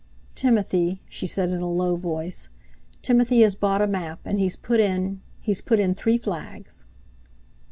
"Timothy," she said in a low voice, "Timothy has bought a map, and he's put in—he's put in three flags."